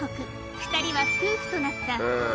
２人は夫婦となった。